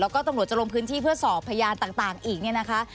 แล้วก็ตำรวจจะลงพื้นที่เพื่อสอบพยานต่างอีกเนี่ยนะคะ